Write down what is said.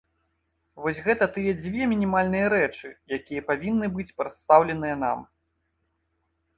Вось гэта тыя дзве мінімальныя рэчы, якія павінны быць прадстаўленыя нам.